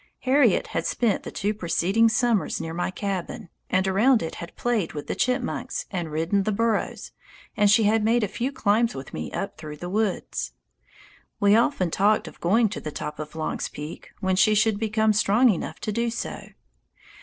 Harriet had spent the two preceding summers near my cabin, and around it had played with the chipmunks and ridden the burros, and she had made a few climbs with me up through the woods. We often talked of going to the top of Long's Peak when she should become strong enough to do so.